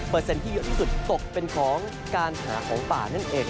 เปอร์เซ็นต์ที่เยอะที่สุดตกเป็นของการหาของป่านั่นเอง